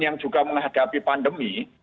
yang juga menghadapi pandemi